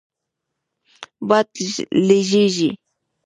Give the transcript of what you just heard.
باد لږیږی